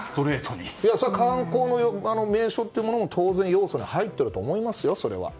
観光の名所というのも当然、要素に入っていると思いますよ。